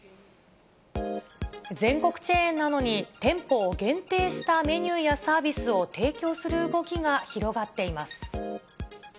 全国チェーンなのに、店舗を限定したメニューやサービスを提供する動きが広がっています。